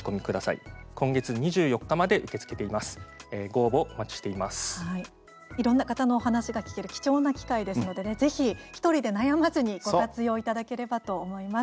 いろんな方のお話が聞ける貴重な機会ですのでぜひ１人で悩まずにご活用いただければと思います。